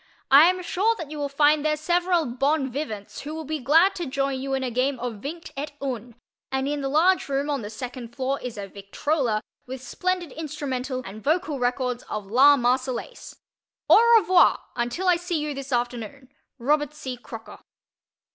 I am sure that you will find there several bon vivants who will be glad to join you in a game of vingt et un, and in the large room on the second floor is a victrola with splendid instrumental and vocal records of "La Marseillaise." Au revoir until I see you this afternoon. Robert C. Crocker.